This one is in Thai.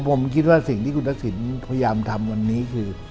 ผมคิดว่าสิ่งที่คุณทักษิณพยายามทำวันนี้คือ